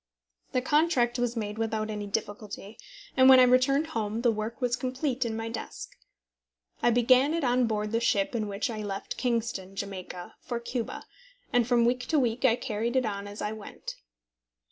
The contract was made without any difficulty, and when I returned home the work was complete in my desk. I began it on board the ship in which I left Kingston, Jamaica, for Cuba, and from week to week I carried it on as I went.